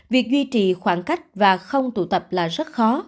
việc duy trì khoảng cách và không tụ tập là rất khó